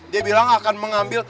dia bilang akan mengambil